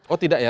oh tidak ya